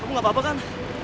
kamu gak apa apa kan